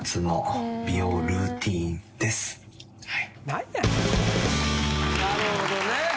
なるほどね。